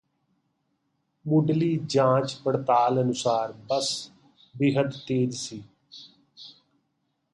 ਮੁਢਲੀ ਜਾਂਚ ਪੜਤਾਲ ਅਨੁਸਾਰ ਬੱਸ ਬੇਹੱਦ ਤੇਜ਼ ਸੀ